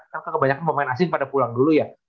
karena kebanyakan pemain asing pada pulang dulu ya